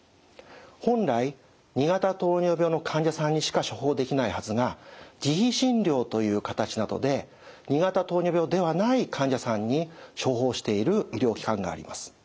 本来２型糖尿病の患者さんにしか処方できないはずが自費診療という形などで２型糖尿病ではない患者さんに処方している医療機関があります。